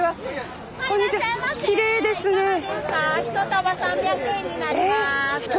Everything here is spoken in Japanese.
１束３００円になります。